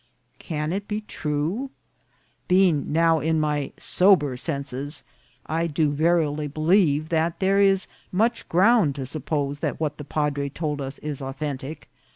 Can it be true ? Being now in my sober senses, I do verily believe there is much ground to suppose that what the padre told us is authentic.